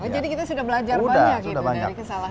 jadi kita sudah belajar banyak dari kesalahan yang ada di sana